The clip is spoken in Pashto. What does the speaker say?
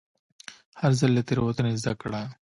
هر ځل له تېروتنې زده کړه.